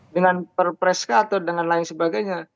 dengan perpreska atau dengan lain sebagainya